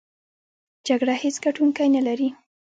جګړه هېڅ ګټوونکی نلري!